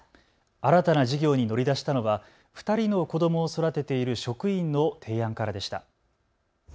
新たな事業に乗り出したのは２人の子どもを育てている職員の提案からでした。